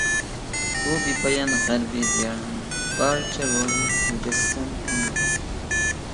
بۇ بىپايان غەربىي دىيارنىڭ بارچە روھى مۇجەسسەم ئاڭا.